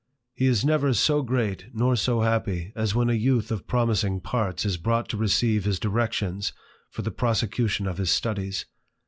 He is never so great, nor so happy, as when a youth of promising parts is brought to receive his directions for the prosecution of his studies.